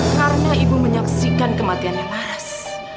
karena ibu menyaksikan kematiannya laras